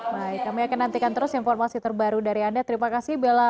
baik kami akan nantikan terus informasi terbaru dari anda